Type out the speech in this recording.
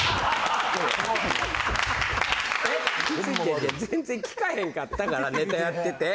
いや全然聞かへんかったからネタやってて！